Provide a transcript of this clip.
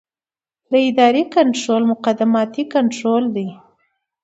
د ادارې کنټرول مقدماتي کنټرول دی.